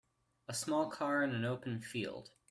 A small car in an open field.